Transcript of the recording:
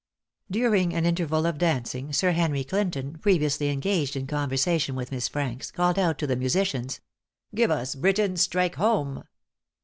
During an interval of dancing, Sir Henry Clinton, previously engaged in conversation with Miss Franks, called out to the musicians, "Give us 'Britons, strike home.'"